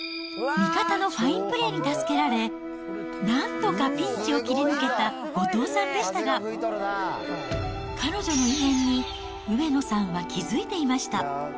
味方のファインプレーに助けられ、なんとかピンチを切り抜けた後藤さんでしたが、彼女の異変に上野さんは気付いていました。